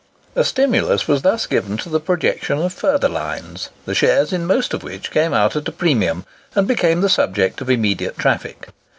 A stimulus was thus given to the projection of further lines, the shares in most of which came out at a premium, and became the subject of immediate traffic.